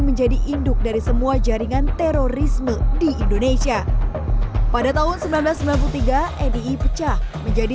menjadi induk dari semua jaringan terorisme di indonesia pada tahun seribu sembilan ratus sembilan puluh tiga nii pecah menjadi